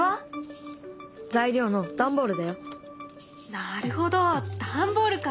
なるほど段ボールか。